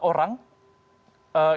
ini anggaran kesehatan